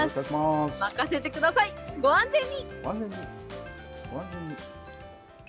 任せてください、ご安全に。